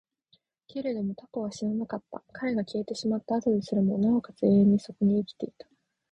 けれども蛸は死ななかった。彼が消えてしまった後ですらも、尚且つ永遠にそこに生きていた。